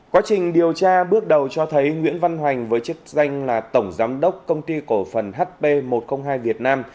quá trình điều tra bước đầu cho thấy nguyễn văn hoành với chức danh là tổng giám đốc công ty cổ phần hp một trăm linh hai việt nam